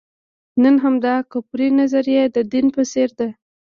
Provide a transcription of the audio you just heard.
نن همدا کفري نظریه د دین په څېر ده.